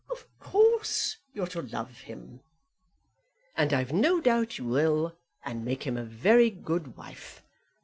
Of course, you're to love him; and I've no doubt you will, and make him a very good wife.